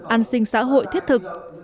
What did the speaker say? an sinh xã hội thiết thực